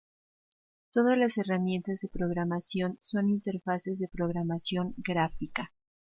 Todas las herramientas de programación son interfaces de programación gráfica.